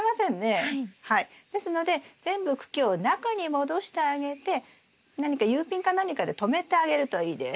ですので全部茎を中に戻してあげて何かＵピンか何かでとめてあげるといいです。